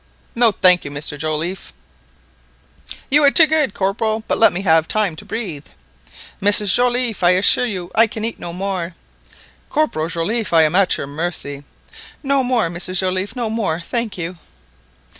"No, thank you, Mr Joliffe." "You are too good, Corporal; but let me have time to breathe." "Mrs Joliffe, I assure you, I can eat no more." "Corporal Joliffe, I am at your mercy." "No more, Mrs Joliffe, no more, thank you!"